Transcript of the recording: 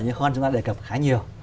như con chúng ta đề cập khá nhiều